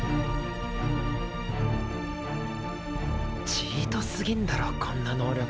チートすぎんだろこんな能力。